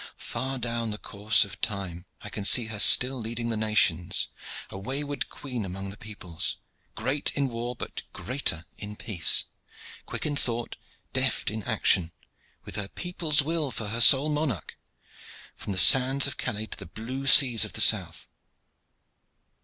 "Far down the course of time I can see her still leading the nations, a wayward queen among the peoples, great in war, but greater in peace, quick in thought, deft in action, with her people's will for her sole monarch, from the sands of Calais to the blue seas of the south."